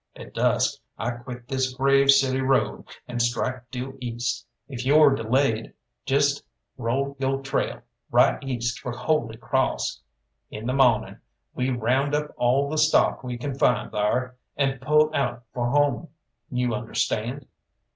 At dusk I quit this Grave City road, and strike due east. If yo're delayed, jest roll yo' trail right east for Holy Crawss. In the mawning we round up all the stock we can find thar, and pull out for home. You understand?"